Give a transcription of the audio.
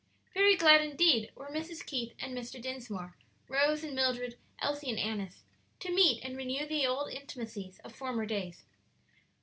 Very glad indeed were Mrs. Keith and Mr. Dinsmore, Rose and Mildred, Elsie and Annis to meet and renew the old intimacies of former days.